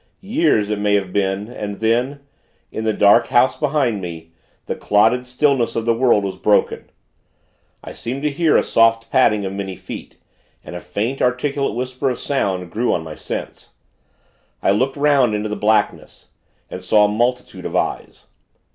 Years, it may have been, and then, in the dark house behind me, the clotted stillness of the world was broken. I seemed to hear a soft padding of many feet, and a faint, inarticulate whisper of sound, grew on my sense. I looked 'round into the blackness, and saw a multitude of eyes.